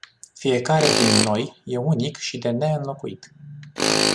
Fiecare din noi e unic și de neînlocuit.